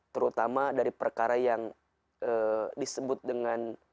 terutama dari perkara yang disebut dengan